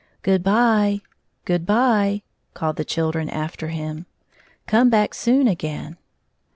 " Good by ! Good by !" called the children after him. " Come back soon, again."